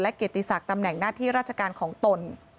เกียรติศักดิ์ตำแหน่งหน้าที่ราชการของตน